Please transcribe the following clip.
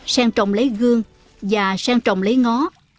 sen trồng lấy gương và sen trồng lấy ngó